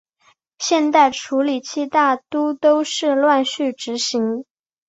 现代处理器大都是乱序执行。